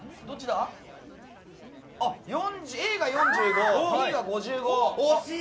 Ａが４５、Ｂが５５。